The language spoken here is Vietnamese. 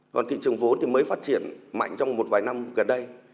còn thị trường vốn thì mới phát triển mạnh trong một vài năm gần đây